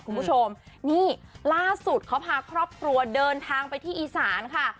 คุณผู้ชมนี่ล่าสุดเขาพาครอบครัวเดินทางไปที่อีสานค่ะ